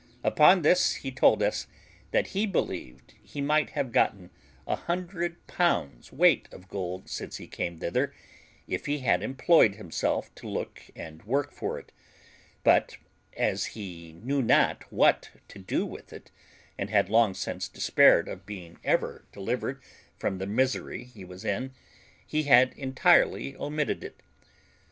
Upon this he told us that he believed he might have gotten a hundred pounds' weight of gold since he came thither, if he had employed himself to look and work for it; but as he knew not what to do with it, and had long since despaired of being ever delivered from the misery he was in, he had entirely omitted it.